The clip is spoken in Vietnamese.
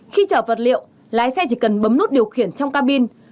khi chở vật liệu lái xe chỉ cần bấm nút điều khiển trong cabin